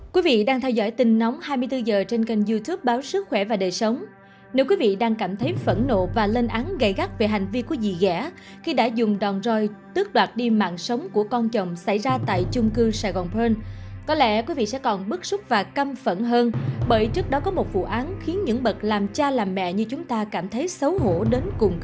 các bạn hãy đăng ký kênh để ủng hộ kênh của chúng mình nhé